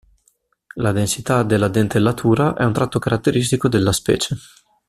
La densità della dentellatura è un tratto caratteristico della specie.